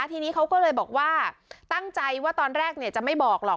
ทีนี้เขาก็เลยบอกว่าตั้งใจว่าตอนแรกจะไม่บอกหรอก